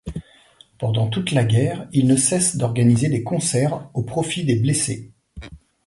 Pendant toute la guerre il ne cesse d'organiser des concerts au profit des blessés.